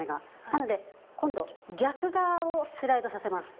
なので今度逆側をスライドさせます。